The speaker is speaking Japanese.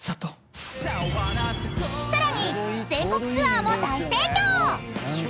［さらに全国ツアーも大盛況！］